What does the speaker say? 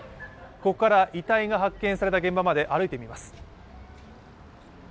ここから遺体が発見された現場まで歩いてみます。